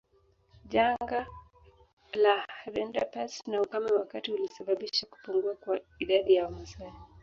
Janga la rinderpest na ukame wakati ulisababisha kupungua kwa idadi ya Wamasai